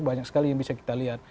banyak sekali yang bisa kita lihat